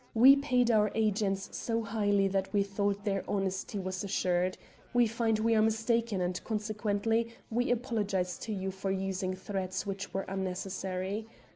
We paid our agents so highly that we thought their honesty was assured. We find we are mistaken, and consequently we apologise to you for using threats which were unnecessary.